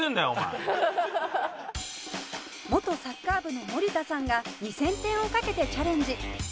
元サッカー部の森田さんが２０００点を賭けてチャレンジ